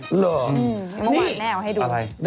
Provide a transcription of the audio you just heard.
เหรอมะวะแม่เอาให้ดูอะไร